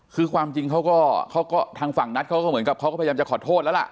คือความจริงเขาก็ทางฝั่งนัทเขาก็เหมือนกับเขาก็พยายามจะขอโทษแล้วล่ะ